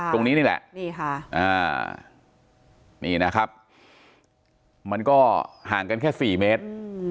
ตรงนี้นี่แหละนี่ค่ะอ่านี่นะครับมันก็ห่างกันแค่สี่เมตร